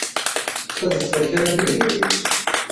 Ad d-teḍḍfed kra n tugniwin.